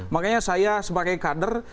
makanya saya sebagai kader